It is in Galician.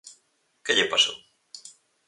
Que lle pasou?